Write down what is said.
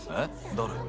誰？